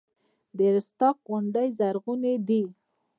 د رستاق غونډۍ زرغونې دي